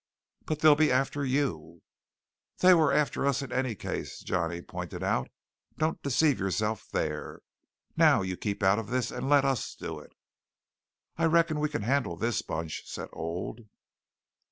"But they'll be after you " "They were after us in any case," Johnny pointed out. "Don't deceive yourself there. Now you keep out of this and let us do it." "I reckon we can handle this bunch," said Old.